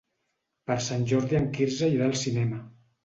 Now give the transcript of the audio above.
Per Sant Jordi en Quirze irà al cinema.